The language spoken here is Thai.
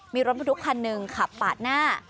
มีรถทุกคันนึงขับปากหน้า